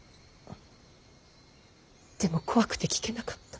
でも怖くて聞けなかった。